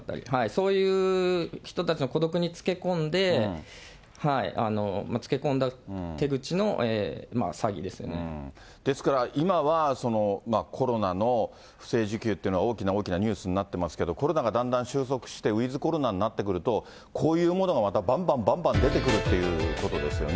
そういう人たちの孤独につけ込んで、ですから、今はコロナの不正受給というのは、大きな大きなニュースになってますけど、コロナがだんだん収束してウィズコロナになってくると、こういうものがまたばんばんばんばん出てくるっていうことですよ